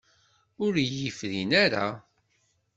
Ur iyi-frinen ara.